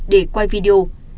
để quay video